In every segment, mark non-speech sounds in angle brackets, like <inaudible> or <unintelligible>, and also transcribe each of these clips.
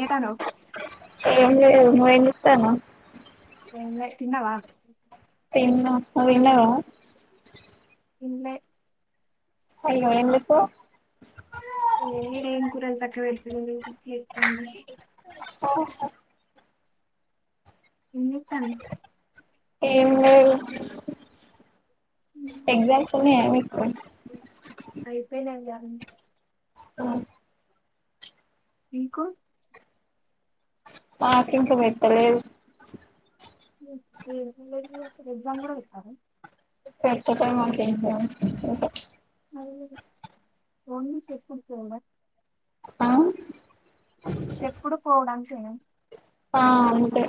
చేతనవ్ ఏం లేదు నువ్. ఎం జెత్తన్నవ్ ఏం లె తిన్నవా ఏందో నువ్వు తిన్నవ తిన్లె అయ్యో ఎందుకు నేనేం కూర సక్కఅతంది పిచ్చిలెత్తంది ఓ హో ఏం చేత్తన్న వ్ ఏం లేదు ఎగ్జామ్స్ ఉన్నయామీకు అ అవు మీకు మాకింక పెట్టలేదు ఏం కాలేజ్ అసలు ఎగ్జామ్ గూడ బెట్టరా పెట్టకే మాకుఎగ్జామ్స్ ఓన్లీ చెప్పుకుపోవా ఆ చెప్పుడు పోవడానికే ఆ అంతే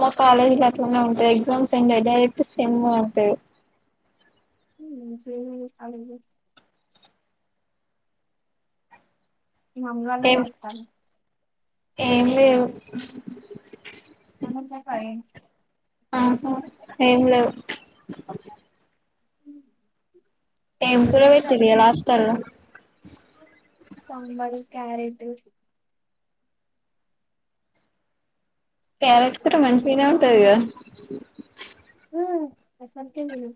మా కాలేజీ లో అట్లనే ఉంటాయిఎగ్జామ్సేలే డైరెక్ట్ సెమ్ అంటరు ఏం చేయాలి అడుగు మమ్ ఏం గాలెతీత్తంది ఏం లేవు చానాసెపాయె ఆహా ఏం లేవు ఏం జొన్న కూర ఎట్లా పెట్టి న్రు ఇయల హస్టల్‌లో సాంబారు క్యారెట్ క్యారెట్ కూడా మంచిగానే ఉంటదిగా అసలికెతినను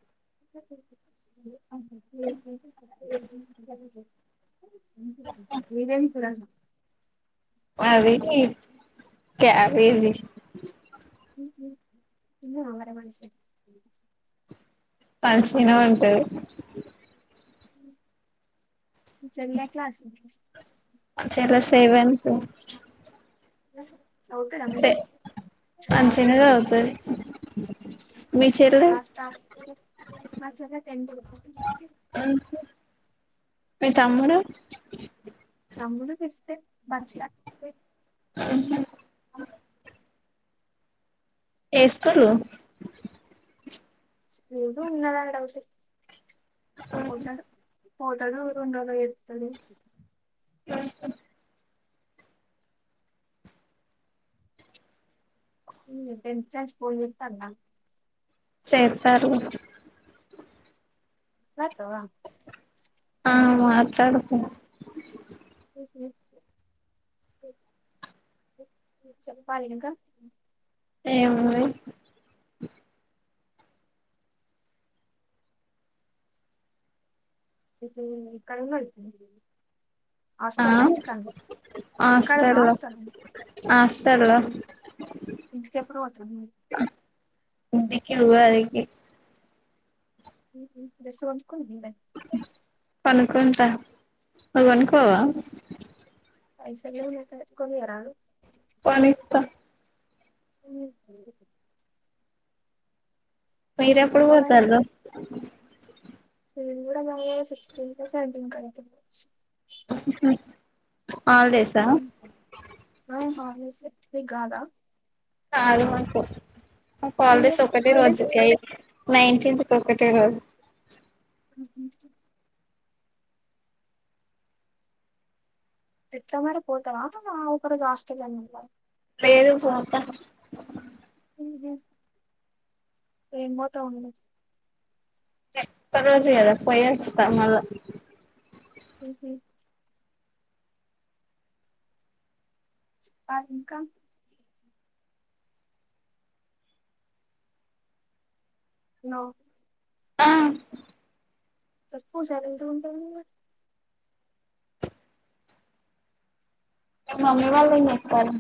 <unintelligible> మీదేంకూర మాది క్యాబేజి ఇ మర మనషే పల్ సీనా ఉంటది మీ చెల్లి ఏ క్లాస్ మా చెల్లి సెవెంత్ ఆహ చె మంచిగనెచదువుతది నా స్టాప్ మా చెల్లె టెంత్ స్ మీ తమ్ముడు తమ్ముడు బెస్ట్. మంచిగ అహా ఏ స్కూలు స్కూలు ఉన్నదానే డౌటు <inaudible> పోతాడో ఉంటాడో ఏది తెలీదు <inaudible> ఇ టెన్త్ ఛాయిస్ పోయోత్తన్న చేతారు నత్తవా ఆ మాట్లాడుకొను చెప్పాలి ఇంకా ఇంకా ఏముంది ఎక్కడున్నావ్ ఇప్పుడు నువ్వు ఆ హాస్టల్ నా ఇంటికాడనా ఇంటికాడ ఉన్నావా హాస్టల్లో హాస్టల్ నా హాస్టల్లో ఇంటికెప్పుడు పోతుంది మీ ఇంటికి ఉగాదికి డ్రెస్ కొనుక్కున్నది కొనుకుంటా నువ్వు కొనుకోవా పైసలు నాకాడ కొనియరాదు కొనిత్తా అ పైరప్పుడు కొనుక్కోవాలే పోతాళ్ళు నేను కూడా కొనలే సిక్స్టీన్ కో సెవెన్ టీన్ కో కొంట కావచ్చు స ఆ కాల్ చేసేది నీ కాదా కాదు వాసు మాకు అయ్యో హాలిడేస్ ఒకటే రోజు హాలిడేస్ కె నైన్టీన్త్ కి ఒకటే రోజు అ ఎట్లా మరి పోతావా ఒక రోజు హాస్టల్ లో ఉంటావా లేదు పోత ఏం పోతావు ఉండు కొన్ని రోజులే కదా పోయి వస్తా మల్ల ఉహ ఆ ఇంకా నో ఆ చ పూజాల ఎందు ఉంటాయి కదా మీ మమ్మీ వాళ్ళు ఏం చేత్తాళ్లు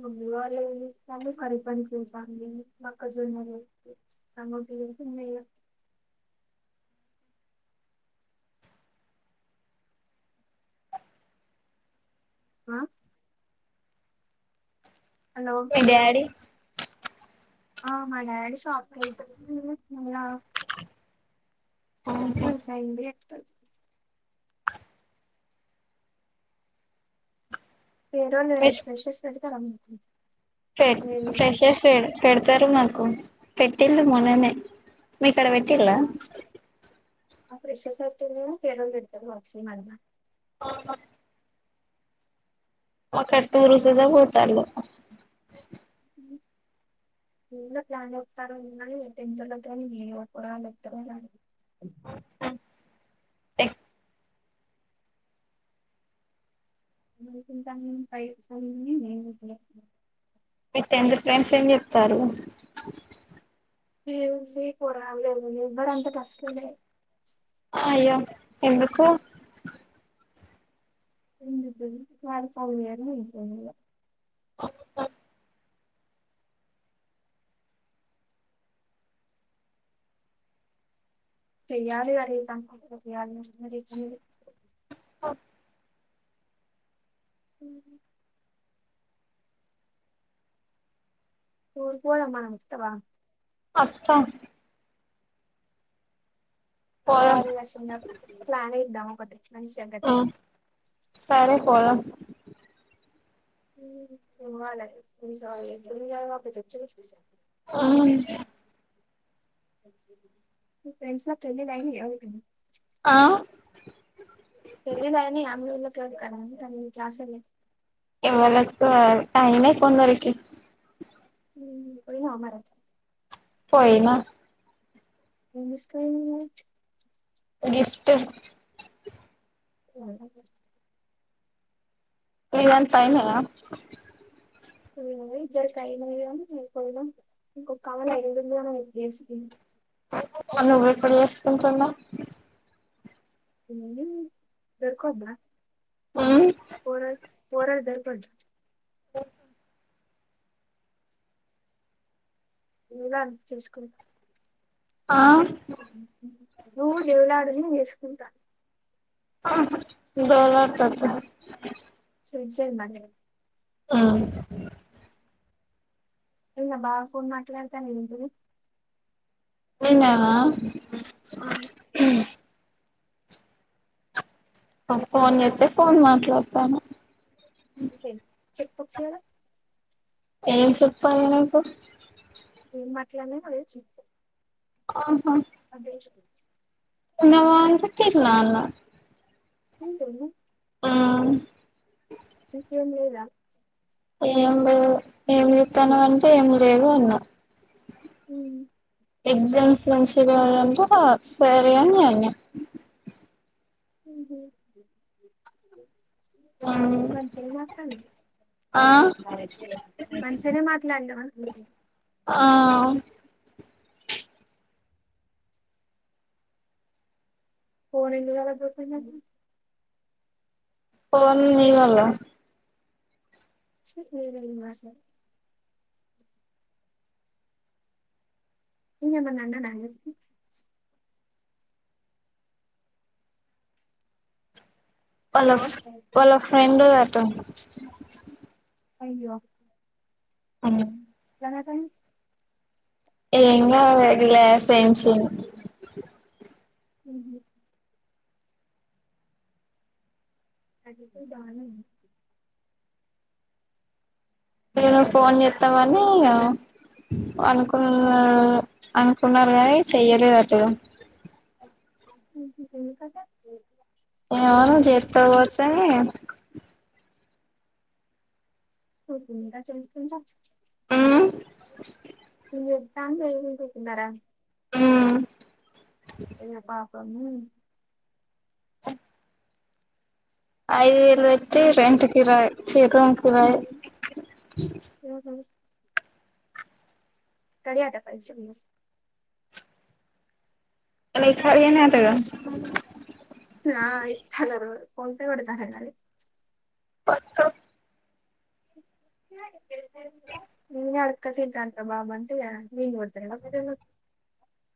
మమ్మీ వాళ్ళు ఏం చెత్తళ్లు కరువు పని పోతుంది మొక్కజొన్నలు <unintelligible> అమ్మయ్య ఆ హలో మీ డాడీ ఆ మా డాడీ షాప్ కి వెళ్తాడు <unintelligible> ఆహా <unintelligible> పేరు ఫ్రెషర్స్ పెత ఫెడ్ ఫ్రెషర్స్ పెడతారు మాకు పెట్టింది మొననే మీ కడ మట్టిలా ఆ ప్రెషర్స్ <unintelligible> ఇడతారు బాక్సీ మధ <unintelligible> ఒక టూరు కూడా పోటళ్ళు అ ఎప్లాన్తారుని పెంచదుని నే కూడాద్ద అని అడి <unintelligible> మీ టెన్త్ ఫ్రెండ్స్ ఏం చేస్తారు ఏముంది కొరాల లేదు ఎవ్వరు అంత టస్లులే అ అయ్యో ఎందుకు ఎం చెప్పేది <unintelligible> చెయ్యాలి మరి ఇంకా <unintelligible> ఓ హు ఉరికి పోదామా వత్తవ వత్త ఓ పోదాం ఆర్ ఎస్ మీద ప్లాన్ ఇద్దాం ఒకటి మంచిగా ఆ గట్టిగా సరే పోదాం ఉ పోవాలి <unintelligible> హు మీ ఫ్రెండ్స్ పెళ్లి అయినయా ఎవరికైనా ఆ పెళ్లిలో అయినయా మీ ఊర్లో ఎవరికైనా మీ క్లాస్ వాళ్ళకి ఎవరికి అయినే కొందరికి <unintelligible> పోయినా ఏం తీసుకుపోనావ్ గిఫ్ట్ అవు <unintelligible> ఇవాళ ఫైనల్ ఆ ఇద్దరికియి <inaudible> ఇంకొ కమలు అయిదుంద ఉద్దేశంది నువ్వు ఎప్పుడు చేసుకుంటున్నావు దొర్కద ఆ పోర పోర <unintelligible> ఓ వున్నారు చేసుకుంట ఆ నువ్వు దేవులాడు నీను చేసుకుంటా దేవులాడుత <inaudible> ఆ నిన్న బాగా ఫోన్ మాట్లాడతా ఉంది నిన్నానా ఆ ఫోన్ చేస్తతే ఫోన్ మాట్లాడతాను. ఓకే చెప్పు వచ్చదా ఏం చెప్పాలి నాకు ఏం మట్లావో అదే చప్పు ఆహా అదే తిన్నావా అంటే తిన్నావా అన్న ఏం తెలవదా ఆ ఇంకేం లేదా ఏం లేదు ఏం చేస్తాను అంటే ఏం లేదు అన్నా హూ ఎగ్జామ్స్ నుంచింటే ఆ సరే అనిను ఊహు ఉమ్ మంచిగానే నడుస్టాన్ది ఆ మంచిగానే మాట్లాడవా ఆ ఫోనీ ఇ ఫోన్ ని వాళ స మా సార్ ఇంమ అన్నడా హలో వల ఫ్రెండ్ అంత అయ్యో అవును కా అదిలే సంచ హ అది బాను మేను ఫోన్ చేస్తామని అనుకున్నారు అనుకున్నారు కానీ చెయ్యలేదు అటు ఎందుకు అంత ఎవను చెత వచ్చ త మీగా చెం <unintelligible> ఉమ్ ఉమ్ <unintelligible> ఐదు వేలు పెట్టి రెం కిరాయి చిరం కిరాయి అ కయాటప్పల్ చె అ ఎక్కరి <unintelligible> నా ఇల కొంత కూడాడతారది వస్తా నంగ్ అడకతింత అంత నే బాధ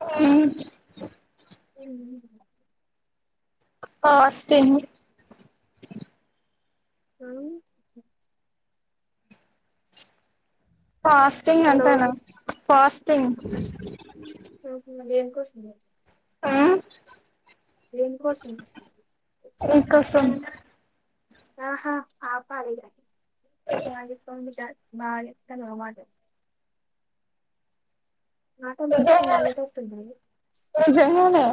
ఆ ఉ <unintelligible> అవు ఫాస్టింగ్ హలో అంతేనా ఫాస్టింగ్ కోసమ దేనికోసం ఇంకా స ఆహా ఆపాలి బాగా తెనువా మాట మాటని చెప్తున్నా నిజంగానే అమ్మదవుతుంది నిజంగానే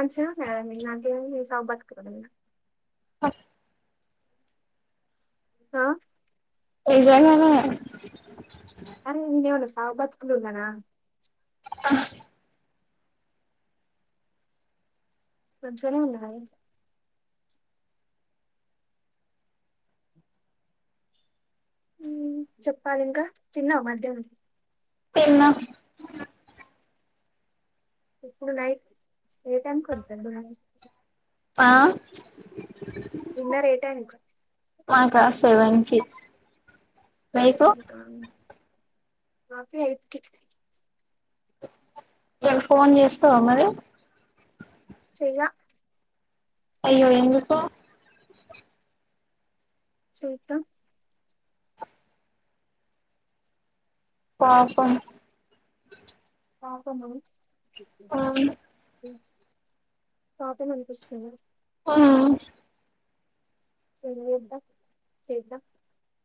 <unintelligible> ఆ ఆ <unintelligible> అరే <unintelligible> సావు బతుకులో ఉన్నాన <unintelligible> చెప్పాలి ఇంకా తిన్నావు మధ్యానం తన్న ప్పుడుఐ ఏ టైమ్ <unintelligible> ఆ డిన్నర్ ఎ టైమ్ మాక సెవెన్కి సెవెన్ కా మాకీ ఎయిట్ కి <unintelligible> ఫోన్ చేస్తావ మరి చెయ్లా అయ్యో ఎందుకు చేదం పాపం పాపమా మ్మ్ పాపం అనిపిస్తుంది ఆ <unintelligible>